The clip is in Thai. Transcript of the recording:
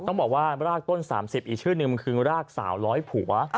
ต้องบอกว่ารากต้น๓๐อีกชื่อนึงคือรากสาวร้อยผัว